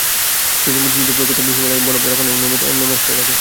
সেই সঙ্গে সূর্যের প্রখর তাপে হিমালয়ের বরফগলা পানিও নেমে আসতে থাকে।